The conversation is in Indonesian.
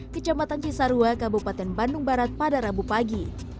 kecamatan cisarua kabupaten bandung barat pada rabu pagi